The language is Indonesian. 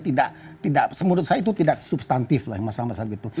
tidak tidak semudah saya itu tidak substantif tu choy masalah masalah gitu